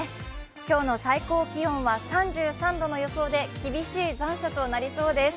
今日の最高気温は３３度の予想で厳しい残暑となりそうです。